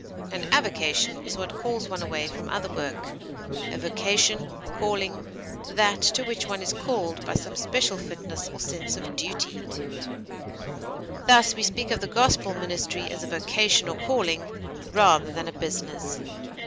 An avocation is what calls one away from other work; a vocation or calling, that to which one is called by some special fitness or sense of duty; thus, we speak of the gospel ministry as a vocation or calling, rather than a business.